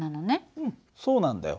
うんそうなんだよ。